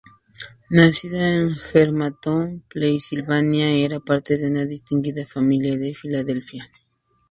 Nacido en Germantown, Pennsylvania, era parte de una distinguida familia de Filadelfia.